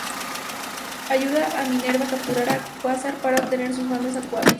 Ayuda a Minerva a capturar a Quasar para obtener sus bandas cuánticas.